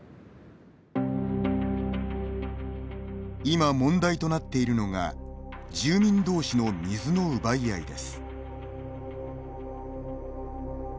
今、問題となっているのが住民どうしの水の奪い合いです。